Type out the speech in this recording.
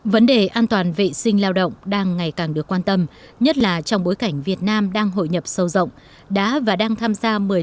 vấn đề an toàn vệ sinh lao động đang ngày càng được quan tâm nhất là trong bối cảnh việt nam đang hội nhập sâu rộng đã và đang tham gia một mươi năm hiệp định thương mại tự do fta